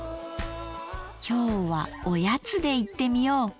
今日はおやつでいってみよう！